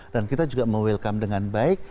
dan kita juga me welcome dengan baik